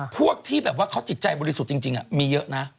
พวกที่แบบว่าเขาจิตใจบริสุทธิ์จริงมีเยอะนะ